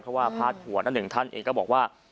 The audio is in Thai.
เพราะว่าพาดหัวนั่นหนึ่งท่านเองก็บอกว่า